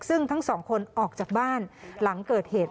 ซึ่งทั้งสองคนออกจากบ้านหลังเกิดเหตุ